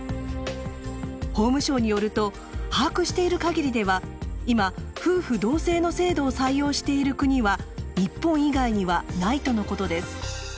法務省によると「把握しているかぎり」では今夫婦同姓の制度を採用している国は日本以外にはないとのことです。